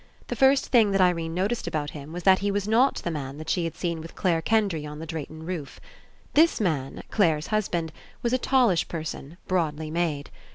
The first thing that Irene noticed about him was that he was not the man that she had seen with Clare Kendry on the Drayton roof. This man, Clare's husband, was a talllsh person, broadly made.